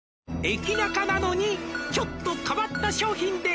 「駅ナカなのにちょっと変わった商品で」